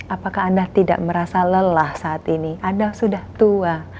apakah anda tidak merasa lelah saat ini anda sudah tua